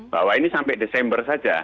bahwa ini sampai desember saja